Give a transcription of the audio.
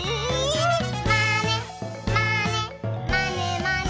「まねまねまねまね」